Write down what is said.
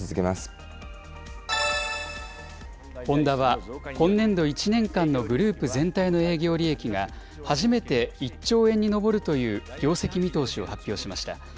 ホンダは、今年度１年間のグループ全体の営業利益が、初めて１兆円に上るという業績見通しを発表しました。